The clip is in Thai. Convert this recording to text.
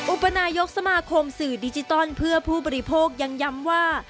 อุปนายกสมาคมสื่อดิจิตอลเพื่อผู้บริโภคยังย้ำว่า